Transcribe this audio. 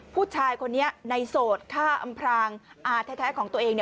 ผู้ชายคนนี้ในโสดฆ่าอำพรางอาแท้ของตัวเอง